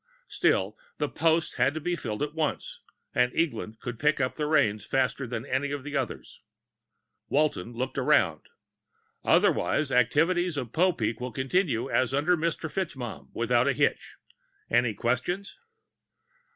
Still, the post had to be filled at once, and Eglin could pick up the reins faster than any of the others. Walton looked around. "Otherwise, activities of Popeek will continue as under Mr. FitzMaugham, without a hitch. Any questions?"